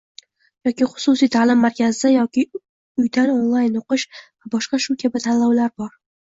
yoki xususiy taʼlim markazida yoki uydan onlayn oʻqish va boshqa shu kabi tanlovlar bor.